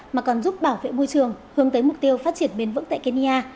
mà còn giúp bảo vệ môi trường hướng tới mục tiêu phát triển bền vững tại kenya